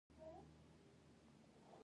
اونۍ یونۍ دونۍ درېنۍ او داسې نور